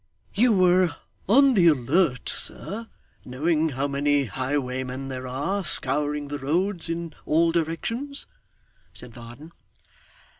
'You were on the alert, sir, knowing how many highwaymen there are, scouring the roads in all directions?' said Varden.